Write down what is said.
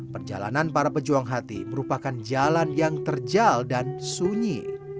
perjalanan para pejuang hati merupakan jalan yang terjal dan sunyi